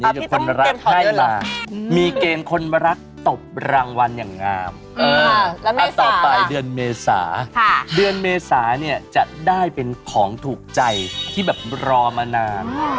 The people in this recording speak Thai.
มีแต่คนรักให้มามีเกมคนรักตบรางวัลอย่างงามอันต่อไปเดือนเมษาเดือนเมษาเนี่ยจะได้เป็นของถูกใจที่แบบรอมานาน